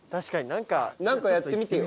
何かやってみてよ。